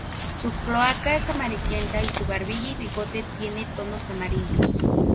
Su cloaca es amarillenta y su barbilla y bigote tiene tonos amarillos.